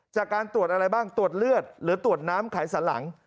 จากการตรวจอะไรบ้างตรวจเลือดหรือตรวจน้ำไขสันหลัง